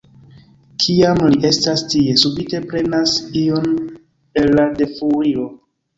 Kiam li estas tie, subite prenas ion el la defluilo.